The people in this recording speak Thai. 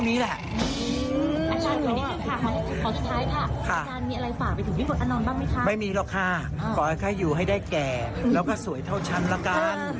ไม่มีหรอกค่ะขอให้ข้ายูให้ได้แก่และสวยเท่าฉันละกัน